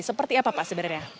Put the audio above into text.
seperti apa pak sebenarnya